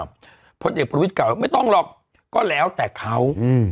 พทธิ์เอ็กต์ปฏิวิชกล่อไม่ต้องหรอกก็แล้วแต่เขา